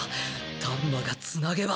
丹波がつなげば。